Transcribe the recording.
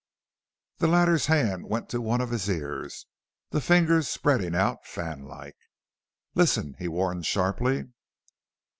The latter's hand went to one of his ears, the fingers spreading out, fan like. "Listen!" he warned sharply.